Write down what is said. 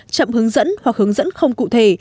chậm hướng dẫn hoặc hướng dẫn không cụ thể